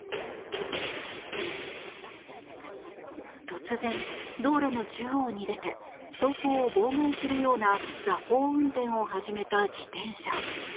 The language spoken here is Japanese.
突然、道路の中央に出て走行を妨害するような蛇行運転を始めた自転車。